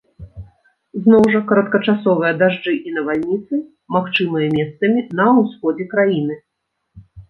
Зноў жа кароткачасовыя дажджы і навальніцы магчымыя месцамі на ўсходзе краіны.